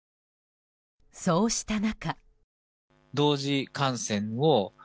そうした中。